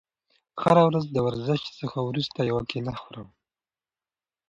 زه هره ورځ د ورزش څخه وروسته یوه کیله خورم.